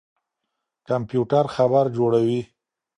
کمپيوټر خبر جوړوي.